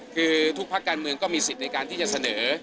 คือทุกภาคการเมืองก็มีสิทธิ์ในการที่จะเสนอ